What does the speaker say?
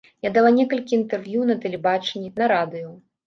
Я дала некалькі інтэрв'ю на тэлебачанні, на радыё.